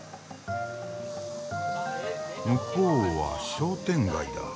向こうは商店街だ。